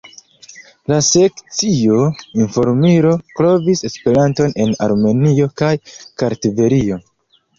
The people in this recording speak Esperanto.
La sekcio "Informilo" kovris Esperanton en Armenio kaj Kartvelio.